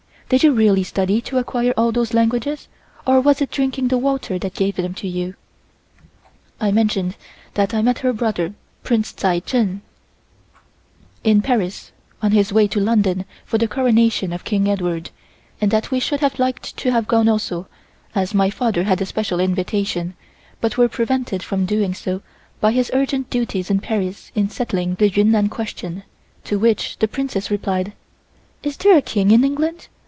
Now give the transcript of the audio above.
Did you really study to acquire all those languages or was it drinking the water that gave them to you?" I mentioned that I met her brother, Prince Tsai Chen, in Paris on his way to London for the coronation of King Edward, and that we should have liked to have gone also, as my father had a special invitation, but were prevented from doing so by his urgent duties in Paris in settling the Yunnan question, to which the Princess replied: "Is there a king in England?